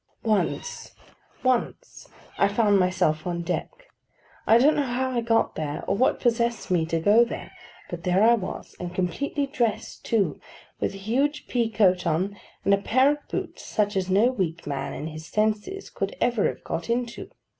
Once—once—I found myself on deck. I don't know how I got there, or what possessed me to go there, but there I was; and completely dressed too, with a huge pea coat on, and a pair of boots such as no weak man in his senses could ever have got into.